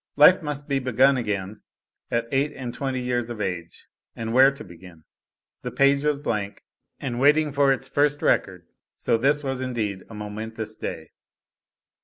Life must be begun again at eight and twenty years of age. And where to begin? The page was blank, and waiting for its first record; so this was indeed a momentous day.